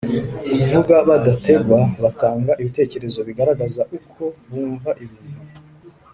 Kuvuga badategwa, batanga ibitekerezo bigaragaza uko bumva ibintu